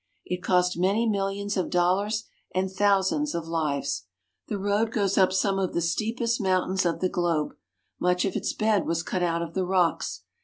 It cost many millions of dollars and thousands of lives. The road goes up some of the steepest mountains of the globe. Much of its bed was cut out of the rocks.